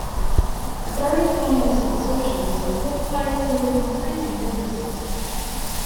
Regarding communism and socialism, Pope Pius noted increasing differences.